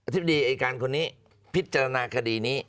ธิบดีอายการคนนี้พิจารณาคดีนี้